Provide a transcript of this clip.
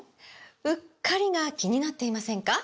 “うっかり”が気になっていませんか？